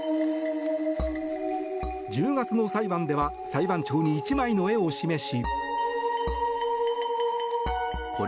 １０月の裁判では裁判長に１枚の絵を示し